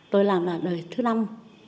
tôi làm là đời thứ năm